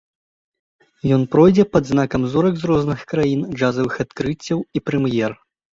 Ён пройдзе пад знакам зорак з розных краін, джазавых адкрыццяў і прэм'ер.